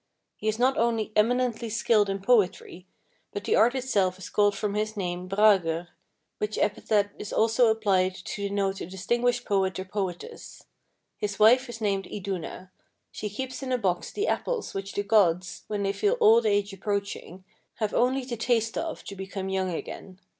He is not only eminently skilled in poetry, but the art itself is called from his name Bragr, which epithet is also applied to denote a distinguished poet or poetess. His wife is named Iduna. She keeps in a box the apples which the gods, when they feel old age approaching, have only to taste of to become young again.